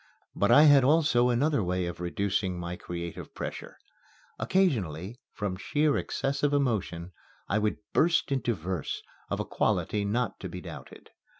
But I had also another way of reducing my creative pressure. Occasionally, from sheer excess of emotion, I would burst into verse, of a quality not to be doubted.